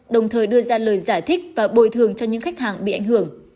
đồng thời đưa ra lời giải thích và bồi thường cho những khách hàng bị ảnh hưởng